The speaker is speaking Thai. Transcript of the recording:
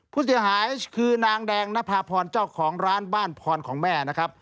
ผู้เสียหายคือนางแดงนภาพรเจ้าของร้านบ้านพรของแม่นะครับ